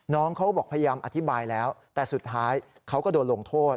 น้องเขาบอกพยายามอธิบายแล้วแต่สุดท้ายเขาก็โดนลงโทษ